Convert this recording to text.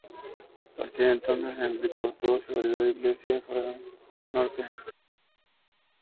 A partir de entonces, Enrique obtuvo seguridad inglesa en la frontera norte.